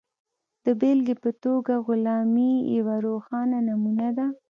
د بېلګې په توګه غلامي یوه روښانه نمونه ده.